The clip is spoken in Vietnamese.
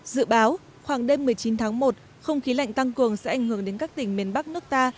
dự báo khoảng đêm một mươi chín tháng một không khí lạnh tăng cường sẽ ảnh hưởng đến các tỉnh miền bắc nước ta